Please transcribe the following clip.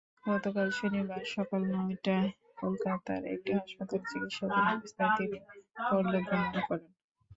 গতকাল শনিবার সকাল নয়টায় কলকাতার একটি হাসপাতালে চিকিৎসাধীন অবস্থায় তিনি পরলোকগমন করেন।